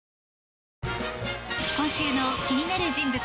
今週の気になる人物